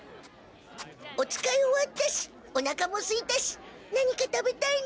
お使い終わったしおなかもすいたし何か食べたいな。